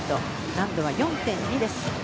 難度は４．２です。